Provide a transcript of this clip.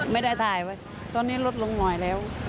ไม่ได้ถ่ายไว้ตอนนี้ลดลงหน่อยแล้ว